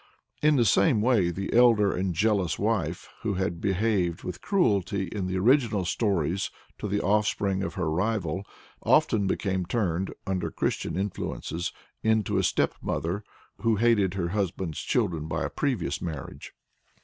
In the same way the elder and jealous wife, who had behaved with cruelty in the original stories to the offspring of her rival, often became turned, under Christian influences, into a stepmother who hated her husband's children by a previous marriage.